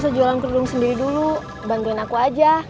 kamu gak usah jualan kerudung sendiri dulu bantuin aku aja